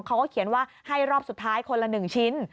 เขาก็เขียนว่าให้รอบสุดท้ายคนละ๑ชิ้น